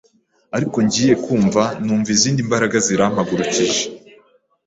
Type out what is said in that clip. ariko ngiye kumva numva izindi mbaraga zirampagurukije